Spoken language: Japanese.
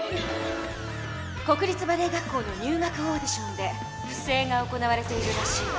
国立バレエ学校の入学オーディションで不正が行われているらしいわ。